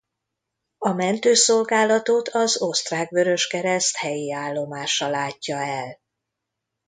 A mentőszolgálatot az Osztrák Vöröskereszt helyi állomása látja el.